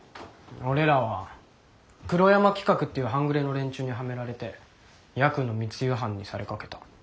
俺らは黒山企画っていう半グレの連中にはめられてヤクの密輸犯にされかけた。